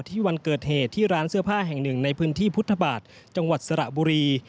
วันเกิดเหตุที่ร้านเสื้อผ้าแห่งหนึ่งในพื้นที่พุทธบาทจังหวัดสระบุรี